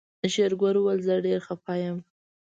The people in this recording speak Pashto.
شېرګل وويل زه ډېر خپه يم.